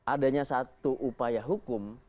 adanya satu upaya hukum